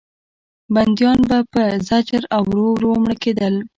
بندیان به په زجر او ورو ورو مړه کېدل.